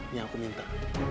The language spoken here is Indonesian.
ini aku minta